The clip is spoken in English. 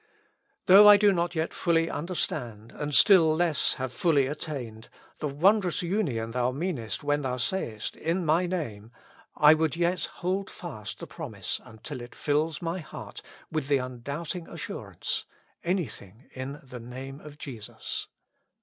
Though I do not yet fully understand, and still less have fully attained, the wondrous union Thou meanest when Thou say est, in* MY Name, I would yet hold fast the promise until it fills my heart with the undoubting assurance : Any thing in the Name of Jesus.